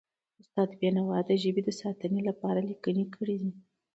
استاد بینوا د ژبې د ساتنې لپاره لیکنې کړی دي.